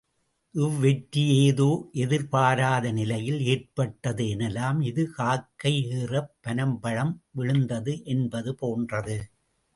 இவ்வெற்றி ஏதோ எதிர்பாராத நிலையில் ஏற்பட்டது எனலாம். இது காக்கை ஏறப் பனம்பழம் விழுந்தது என்பது போன்றது.